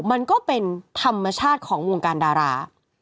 มันก็เป็นธรรมชาติของวงการดารา